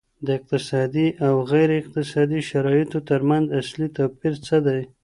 د اقتصادي او غیر اقتصادي شرایطو ترمنځ اصلي توپیر څه دی؟